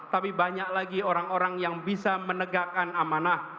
tapi banyak lagi orang orang yang bisa menegakkan amanah